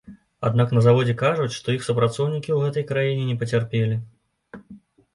Аднак на заводзе кажуць, што іх супрацоўнікі ў гэтай краіне не пацярпелі.